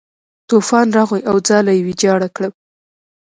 طوفان راغی او ځاله یې ویجاړه کړه.